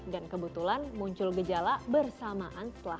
dan kebetulan muncul gejala atau kehilangan penciuman